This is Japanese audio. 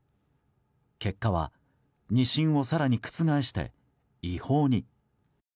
結果は２審を更に覆して違法に。